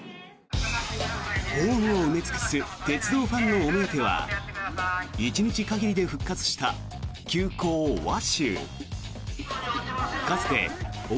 ホームを埋め尽くす鉄道ファンのお目当ては１日限りで復活した急行鷲羽。